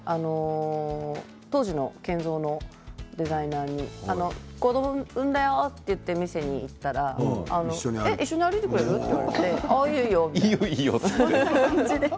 当時のＫＥＮＺＯのデザイナーに子ども産んだよーと店に行ったら一緒に歩いてくれる？と言われていいよいいよって。